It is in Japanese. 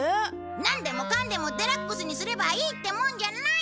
なんでもかんでもデラックスにすればいいってもんじゃないんだ！